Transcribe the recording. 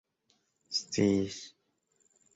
sciis